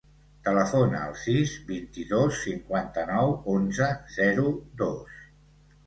Telefona al sis, vint-i-dos, cinquanta-nou, onze, zero, dos.